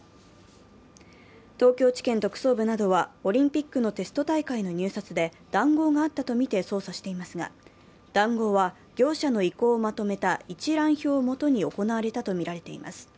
東京地検特捜部などはオリンピックのテスト大会の入札で談合があったとみて捜査していますが談合は業者の意向をまとめた一覧表をもとに行われたとみられています。